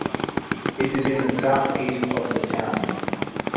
It is in the south-east of the town.